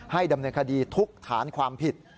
ดำเนินคดีทุกฐานความผิด